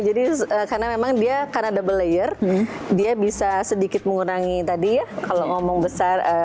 jadi karena memang dia karena double layer dia bisa sedikit mengurangi tadi ya kalau ngomong besar